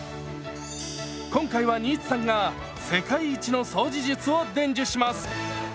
今回は新津さんが世界一の掃除術を伝授します！